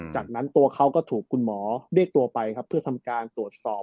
จากนั้นตัวเขาก็ถูกคุณหมอเรียกตัวไปครับเพื่อทำการตรวจสอบ